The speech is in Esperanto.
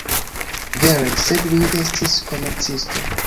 Vere! sed mi estis komercisto!